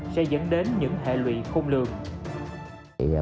sẽ dẫn đến những hệ lụy khung lường